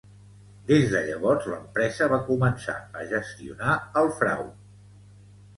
Des de llavors l'empresa va començar a gestionar el frau.